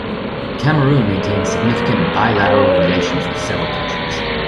Cameroon maintains significant bilateral relations with several countries.